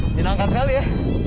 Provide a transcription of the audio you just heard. menyenangkan sekali ya